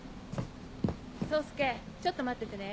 宗介ちょっと待っててね。